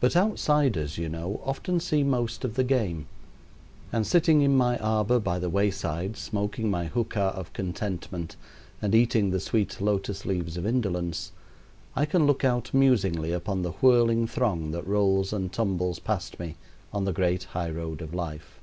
But outsiders, you know, often see most of the game; and sitting in my arbor by the wayside, smoking my hookah of contentment and eating the sweet lotus leaves of indolence, I can look out musingly upon the whirling throng that rolls and tumbles past me on the great high road of life.